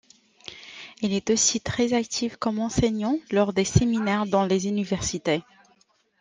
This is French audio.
Il est aussi très actif comme enseignant lors de séminaires dans des universités.